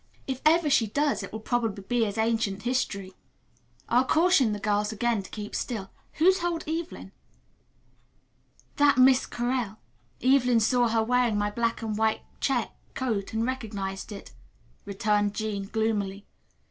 If ever she does, it will probably be as ancient history. I'll caution the girls again to keep still. Who told Evelyn?" "That Miss Correll. Evelyn saw her wearing my black and white check coat and recognized it," returned Jean gloomily.